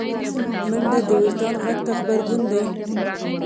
منډه د وجدان غږ ته غبرګون دی